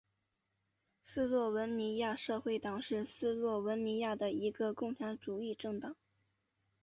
斯洛文尼亚社会党是斯洛文尼亚的一个共产主义政党。